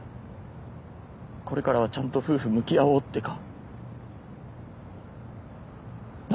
「これからはちゃんと夫婦向き合おう」ってかな